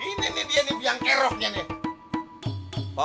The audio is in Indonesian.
ini nih dia nih biang keroknya nih